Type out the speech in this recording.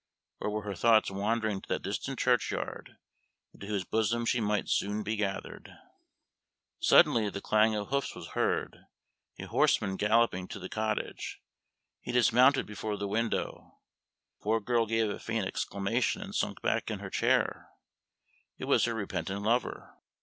or were her thoughts wandering to that distant churchyard, into whose bosom she might soon be gathered? Suddenly the clang of hoofs was heard: a horseman galloped to the cottage; he dismounted before the window; the poor girl gave a faint exclamation and sunk back in her chair: it was her repentant lover.